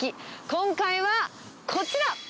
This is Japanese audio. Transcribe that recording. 今回はこちら。